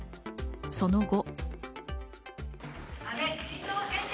その後。